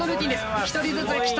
１人ずつ来た。